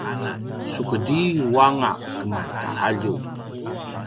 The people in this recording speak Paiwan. sukedriu anga keman ta alju